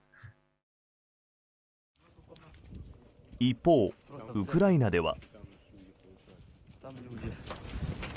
一方、ウクライナでは。